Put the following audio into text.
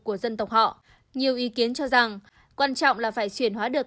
của dân tộc họ nhiều ý kiến cho rằng quan trọng là phải chuyển hóa được